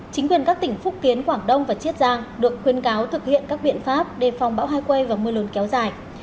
chính quyền các tỉnh phúc kiến quảng đông và chiết giang được khuyên cáo thực hiện các biện pháp đề phòng bão hai quay và mưa lớn kéo dài